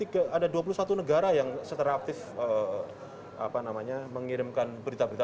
ada dua puluh satu negara yang secara aktif mengirimkan berita berita